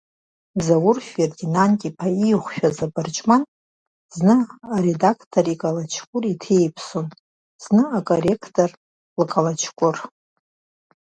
Заур Фердинанд-иԥа ииҟәшәаз абырҷман зны аредақтор икалаҷкәыр иҭеиԥсон, зны акорректор лкалаҷкәыр.